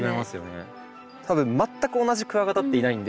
多分全く同じクワガタっていないんで。